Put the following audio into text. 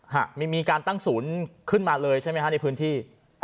หรือไม่มีการตั้งศูนย์เครือดขึ้นมาเลยใช่มั้ยครับในพื้นที่